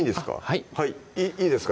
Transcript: はいいいですか？